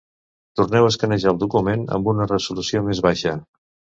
Torneu a escanejar el document amb una resolució més baixa.